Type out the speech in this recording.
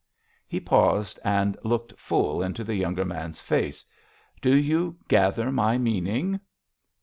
He paused and looked full into the younger man's face. "Do you gather my meaning?"